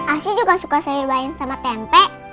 asyik juga suka sayur bayam sama tempe